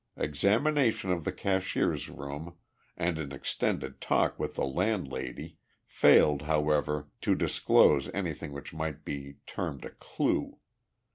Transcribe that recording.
Examination of the cashier's room and an extended talk with the landlady failed, however, to disclose anything which might be termed a clue.